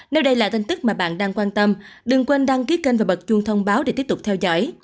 nơi đây là tin tức mà bạn đang quan tâm đừng quên đăng ký kênh và bật chuông thông báo để tiếp tục theo dõi